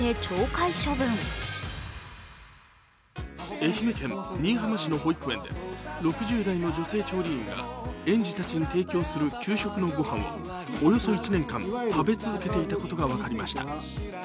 愛媛県新居浜市の保育園で６０代の女性調理員が園児たちに提供する給食のご飯をおよそ１年間食べ続けていたことが分かりました。